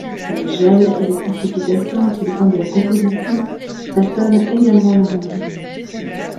Le gel et les précipitations, qui dépendent de la composition, façonnent également le relief.